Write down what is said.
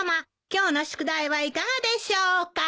今日の宿題はいかがでしょうか。